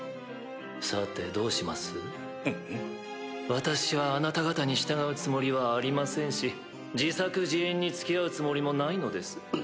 私はあなた方に従うつもりはありませんし自作自演に付き合うつもりもないのです。